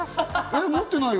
持ってないよ？